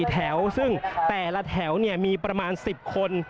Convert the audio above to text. แถวซึ่งแต่ละแถวมีประมาณ๑๐คน